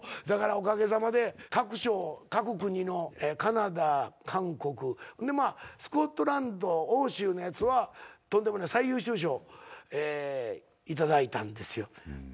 だからおかげさまで各所各国のカナダ韓国でまあスコットランド欧州のやつはとんでもない最優秀賞頂いたんですよ。